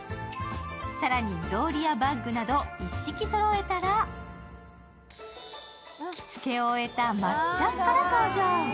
更に、草履やバッグなど一式そろえたら、着付けを終えたまっちゃんから登場。